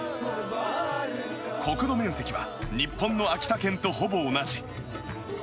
国土面積は日本の秋田県とほぼ同じ。